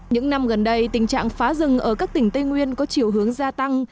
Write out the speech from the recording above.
những năm gần đây tình trạng phá rừng ở các tỉnh tây nguyên có chiều hướng gia tăng